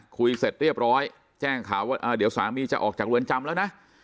เสร็จเรียบร้อยแจ้งข่าวว่าเดี๋ยวสามีจะออกจากเรือนจำแล้วนะ